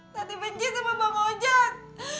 tadi benci sama bang ojek